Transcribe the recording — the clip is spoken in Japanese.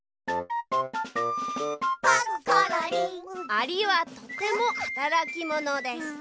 「アリはとてもはたらきものです」。